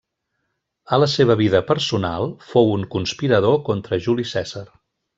A la seva vida personal fou un conspirador contra Juli Cèsar.